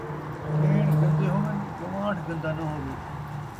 سیݨ گن٘دے ہووِن ، ڳوان٘ڈھ گن٘دا ناں ہووے